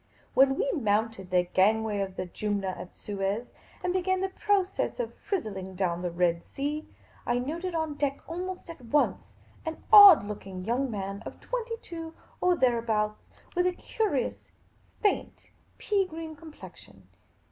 When we mounted the gangway of the Jumna at Suez, and began the process of frizzling down the Red Sea, I noted on deck almost at once an odd looking young man of twenty two or thereabouts, with a curious, faint, pea green com plexion.